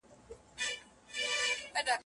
کوڅو اخیستي دي ماشوم زخمونه